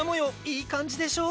いい感じでしょ？